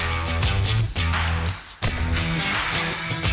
โอ้โฮ